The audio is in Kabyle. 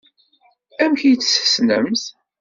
Amek ay tt-tessnemt?